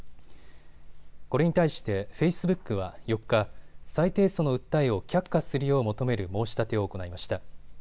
これに対してフェイスブックは４日、再提訴の訴えを却下するよう求める申し立てを行いました。